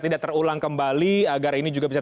tidak terulang kembali agar ini juga bisa